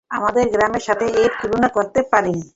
আমাদের গ্রামের সাথে এর তুলনা করতে পারি না।